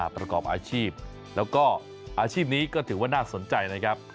ประกอบอาชีพแล้วก็อาชีพนี้ก็ถือว่าน่าสนใจนะครับ